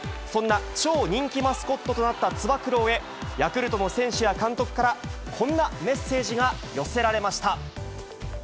そんな超人気マスコットとなったつば九郎へ、ヤクルトの選手や監督から、こんなメッセージが寄せられました。